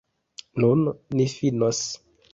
Nun ni finos.